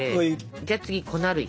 じゃあ次粉類。